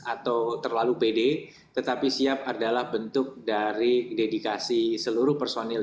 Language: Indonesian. atau terlalu pede tetapi siap adalah bentuk dari dedikasi seluruh personil